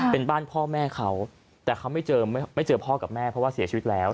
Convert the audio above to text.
เป็นบ้านพ่อแม่เขาแต่เขาไม่เจอไม่เจอพ่อกับแม่เพราะว่าเสียชีวิตแล้ว